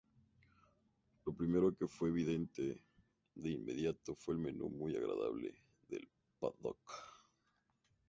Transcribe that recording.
Lo primero que fue evidente de inmediato fue el menú muy agradable del paddock.